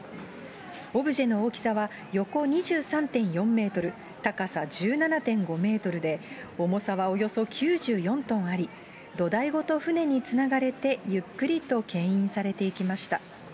オブジェの大きさは横２３．４メートル、高さ１７．５メートルで、重さはおよそ９４トンあり、土台ごと船につながれて、ゆっくりとけん引されていきました。